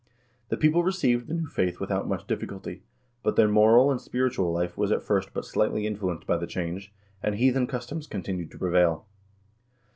The people received the new faith without much difficulty, but their moral and spiritual life was at first but slightly influenced by the change, and heathen customs continued to prevail.